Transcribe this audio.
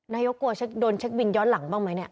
กลัวโดนเช็คบินย้อนหลังบ้างไหมเนี่ย